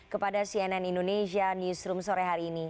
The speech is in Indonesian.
kepada cnn indonesia newsroom sore hari ini